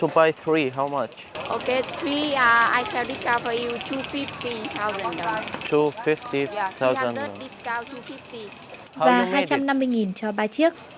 và hai trăm năm mươi nghìn cho ba chiếc